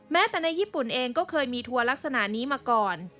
แม้แต่ในญี่ปุ่นเองก็เคยมีทัวร์ลักษณะนี้มาก่อน